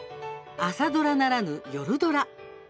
「朝ドラ」ならぬ「夜ドラ」。